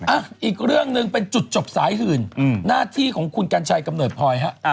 อีกเรื่องหนึ่งเป็นจุดจบสายหื่นหน้าที่ของคุณกัญชัยกำเนิดพลอยฮะ